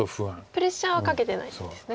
プレッシャーはかけてないんですね。